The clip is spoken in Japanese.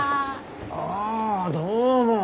ああどうも。